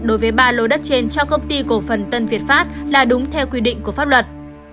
đối với ba lô đất trên cho công ty cổ phần tân việt pháp là đúng theo quy định của pháp luật